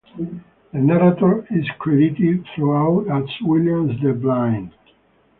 The narrator is credited throughout as William the Blind.